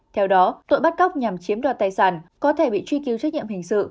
theo đó tội bắt cóc nhằm chiếm đoạt tài sản có thể bị truy cứu trách nhiệm hình sự